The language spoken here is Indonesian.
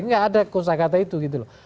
nggak ada kosa kata itu gitu loh